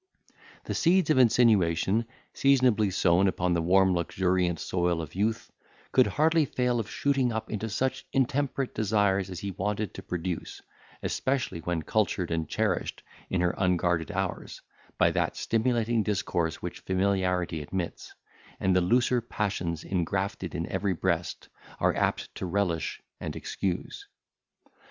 The seeds of insinuation seasonably sown upon the warm luxuriant soil of youth, could hardly fail of shooting up into such intemperate desires as he wanted to produce, especially when cultured and cherished in her unguarded hours, by that stimulating discourse which familiarity admits, and the looser passions, ingrafted in every breast, are apt to relish and excuse.